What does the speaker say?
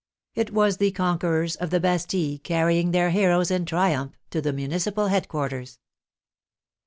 It was the conquerors of the Bastille carrying their heroes in triumph to the municipal head quarters.